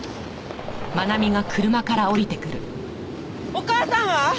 お母さんは！？